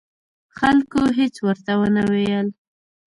خلکو هېڅ ورته ونه ویل.